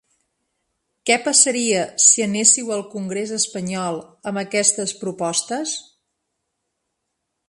Què passaria si anéssiu al congrés espanyol amb aquestes propostes?